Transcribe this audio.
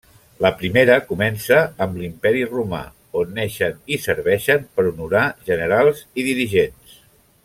La primera comença amb l'Imperi Romà, on neixen i serveixen per honorar generals i dirigents.